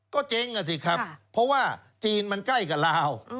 ก็เจ๊งอ่ะสิครับเพราะว่าจีนมันใกล้กับลาว